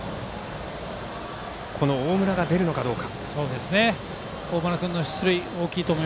大村が出るのかどうか。